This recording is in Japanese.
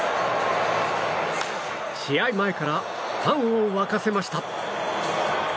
試合前からファンを沸かせました。